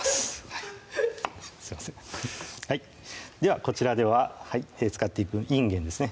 はいすいませんではこちらでは使っていくいんげんですね